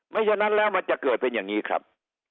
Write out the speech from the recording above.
ไม่ใช่ด้านแล้วมาจะเป็นอย่างนี้ครับ